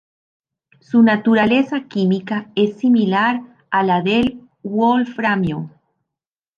Su naturaleza química es similar a la del wolframio.